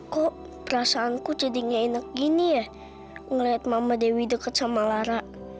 kok perasaanku jadi nggak enak gini ya ngeliat mama dewi deket sama lara